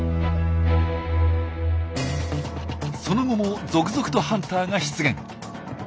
その後も続々とハンターが出現。